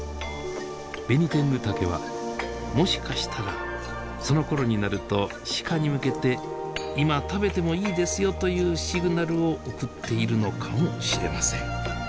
ベニテングタケはもしかしたらそのころになるとシカに向けて今食べていいですよというシグナルを送っているのかもしれません。